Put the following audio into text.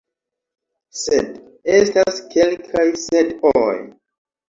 Sed – estas kelkaj sed-oj.